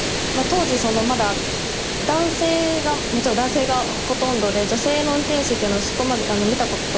当時まだ男性がもちろん男性がほとんどで女性の運転士っていうのがそこまで見たことがなかったんですよね。